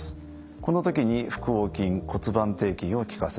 この時に腹横筋骨盤底筋をきかせます。